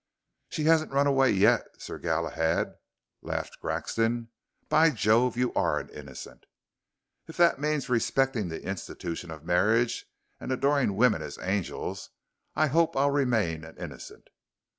"She hasn't run away yet, Sir Galahad," laughed Grexon. "By Jove, you are an innocent!" "If that means respecting the institution of marriage and adoring women as angels I hope I'll remain an innocent."